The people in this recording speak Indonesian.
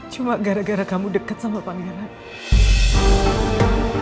cuma gara gara kamu deket sama pak regar